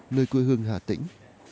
nơi quê hương hà tĩnh